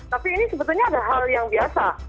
tapi ini sebetulnya ada hal yang biasa